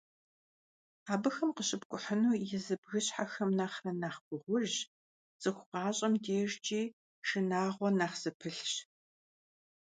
Абыхэм къыщыпкIухьыну езы бгыщхьэхэм нэхърэ нэхъ гугъужщ, цIыху гъащIэм дежкIи шынагъуэ нэхъ зыпылъщ.